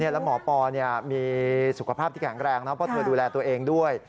แล้วหมอปอมีสุขภาพที่แข็งแรงนะเพราะเธอดูแลตัวเองด้วย